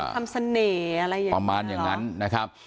เสน่ห์อะไรอย่างนี้ประมาณอย่างนั้นนะครับ